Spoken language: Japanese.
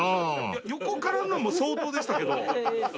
横からのも相当でしたけど！